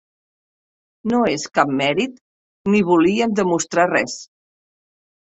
No és cap mèrit ni volíem demostrar res.